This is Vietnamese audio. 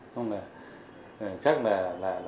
xong rồi chắc là